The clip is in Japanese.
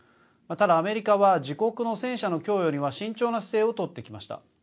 ただ、アメリカは自国の戦車の供与には慎重な姿勢を取ってきました。